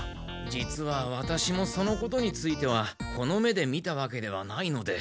実はワタシもそのことについてはこの目で見たわけではないので。